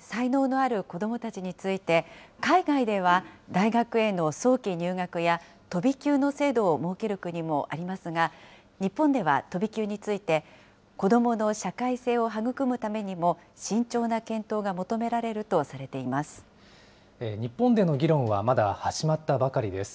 才能のある子どもたちについて、海外では、大学への早期入学や飛び級の制度を設ける国もありますが、日本では飛び級について、子どもの社会性を育むためにも慎重な検討が求められるとされてい日本での議論はまだ始まったばかりです。